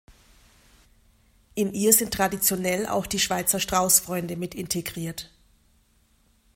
In ihr sind traditionell auch die Schweizer Strauss-Freunde mit integriert.